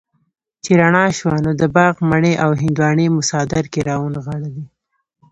چې رڼا شوه نو د باغ مڼې او هندواڼې مو څادر کي را ونغاړلې